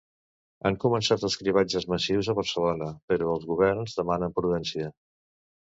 Han començat els cribratges massius a Barcelona, però els governs demanen prudència.